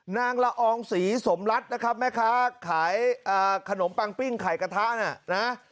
ละอองศรีสมรัฐนะครับแม่ค้าขายขนมปังปิ้งไข่กระทะน่ะนะ